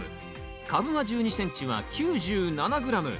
株間１２ｃｍは９７ｇ。